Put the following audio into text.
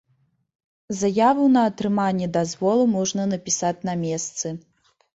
Заяву на атрыманне дазволу можна напісаць на месцы.